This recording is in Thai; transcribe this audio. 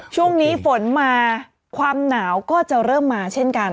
ช่วงนี้ฝนมาความหนาวก็จะเริ่มมาเช่นกัน